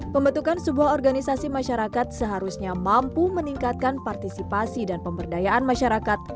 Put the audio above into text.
pembentukan sebuah organisasi masyarakat seharusnya mampu meningkatkan partisipasi dan pemberdayaan masyarakat